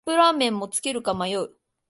カップラーメンもつけるか迷う